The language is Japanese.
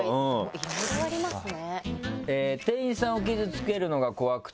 いろいろありますね。